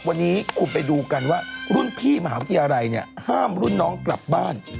วันนี้คุณไปดูกันว่ารุ่นพี่มหาวิทยาลัยเนี่ยห้ามรุ่นน้องกลับบ้าน